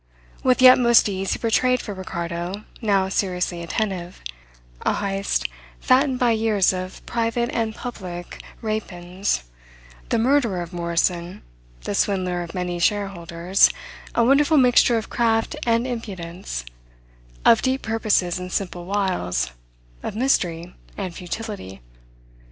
With the utmost ease he portrayed for Ricardo, now seriously attentive, a Heyst fattened by years of private and public rapines, the murderer of Morrison, the swindler of many shareholders, a wonderful mixture of craft and impudence, of deep purposes and simple wiles, of mystery and futility.